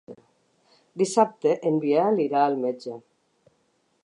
Dissabte en Biel irà al metge.